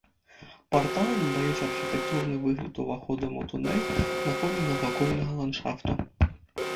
Парталы надаюць архітэктурны выгляд уваходам у тунэль на фоне навакольнага ландшафту.